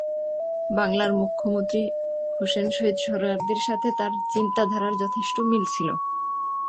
বাংলার মুখ্যমন্ত্রী হোসেন শহীদ সোহরাওয়ার্দীর সাথে তার চিন্তাধারার যথেষ্ট মিল ছিল।